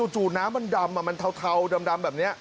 จู่น้ำมันดำมันเทาดำแบบนี้